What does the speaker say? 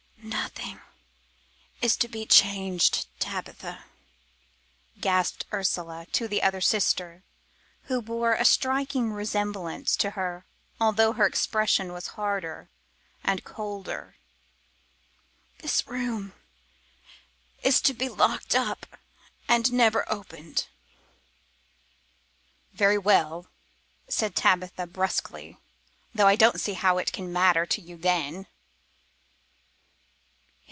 "Nothing is to be changed, Tabitha," gasped Ursula to the other sister, who bore a striking likeness to her although her expression was harder and colder; "this room is to be locked up and never opened." "Very well," said Tabitha brusquely, "though I don't see how it can matter to you then."